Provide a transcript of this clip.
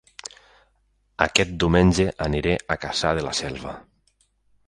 Aquest diumenge aniré a Cassà de la Selva